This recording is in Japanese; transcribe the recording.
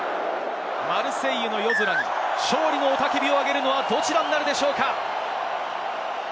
マルセイユの夜空に勝利の雄たけびを上げるのはどちらになるでしょうか？